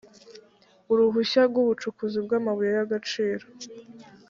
uruhushya rw’ubucukuzi bw’amabuye y’agaciro